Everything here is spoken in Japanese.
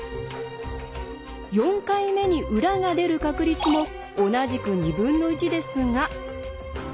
４回目に裏が出る確率も同じく２分の１ですが。